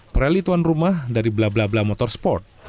peralituan rumah dari blablabla motorsport